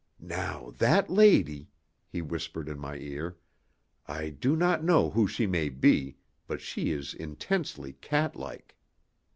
"Now, that lady," he whispered in my ear "I don't know who she may be, but she is intensely cat like.